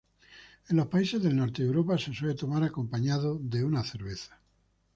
En los países del norte de Europa se suele tomar acompañado de una cerveza.